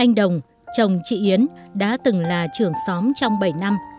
anh đồng chồng chị yến đã từng là trưởng xóm trong bảy năm